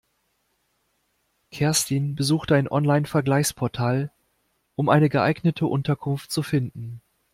Kerstin besuchte ein Online-Vergleichsportal, um eine geeignete Unterkunft zu finden.